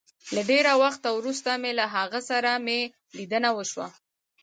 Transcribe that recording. له ډېره وخته وروسته مي له هغه سره مي ليدنه وشوه